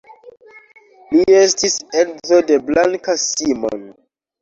Li estis edzo de Blanka Simon.